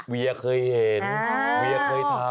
เวียเคยเห็นเวียเคยทำ